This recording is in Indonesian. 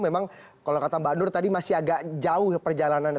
memang kalau kata mbak nur tadi masih agak jauh perjalanannya